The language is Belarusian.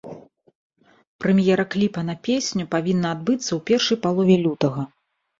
Прэм'ера кліпа на песню павінна адбыцца ў першай палове лютага.